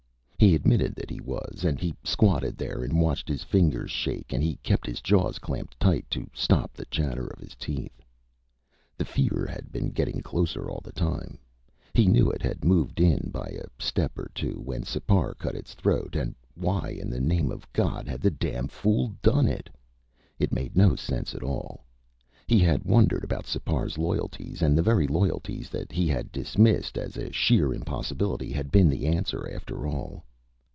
He admitted that he was and he squatted there and watched his fingers shake and he kept his jaws clamped tight to stop the chatter of his teeth. The fear had been getting closer all the time; he knew it had moved in by a step or two when Sipar cut its throat, and why in the name of God had the damn fool done it? It made no sense at all. He had wondered about Sipar's loyalties, and the very loyalties that he had dismissed as a sheer impossibility had been the answer, after all.